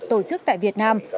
tổ chức tại việt nam